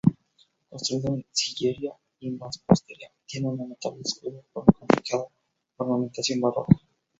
Construido en sillería y mampostería, tiene un notable escudo con complicada ornamentación barroca.